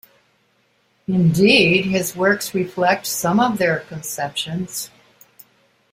Indeed, his works reflect some of their conceptions.